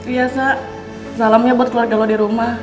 iya sa salamnya buat keluarga lo di rumah